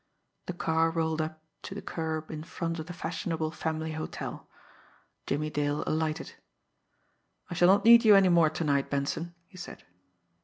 The car rolled up to the curb in front of the fashionable family hotel. Jimmie Dale alighted. "I shall not need you any more to night, Benson," he said.